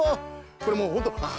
これもうほんとあ